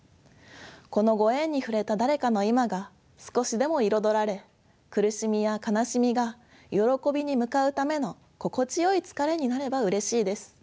このご縁に触れた誰かの今が少しでも彩られ苦しみや悲しみが「よろこび」に向かうための「心地よい疲れ」になればうれしいです。